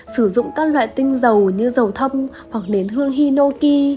sử dụng các loại tinh dầu như dầu thâm hoặc nến hương hinoki